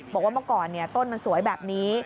บอกว่าเมื่อก่อนต้นมันสวยแบบนี้